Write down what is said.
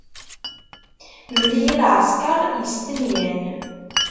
Mel-iyi lɛesker yestenyan.